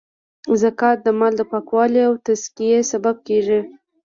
زکات د مال د پاکوالې او تذکیې سبب کیږی.